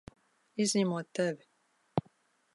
Izņemot tevi!